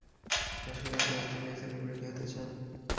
আসলেই আপনি অস্ট্রেলিয়ার সেলিব্রিটি হতে চান?